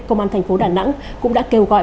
công an thành phố đà nẵng cũng đã kêu gọi